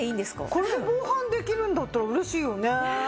これで防犯できるんだったら嬉しいよね。